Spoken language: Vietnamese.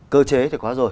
cơ chế thì có rồi